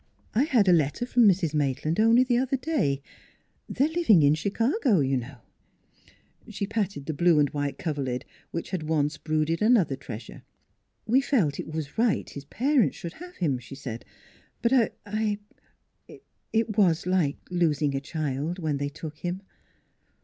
" I had a letter from Mrs. Maitland only the other day. They are living in Chicago, you know." i 5 4 NEIGHBORS She patted the blue and white coverlid which had once brooded another treasure. " We felt it was right his parents should have him," she said. " But I we It was like losing a child when they took him."